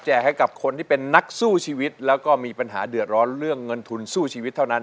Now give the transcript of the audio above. ให้กับคนที่เป็นนักสู้ชีวิตแล้วก็มีปัญหาเดือดร้อนเรื่องเงินทุนสู้ชีวิตเท่านั้น